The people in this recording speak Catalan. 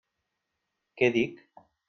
Què dic?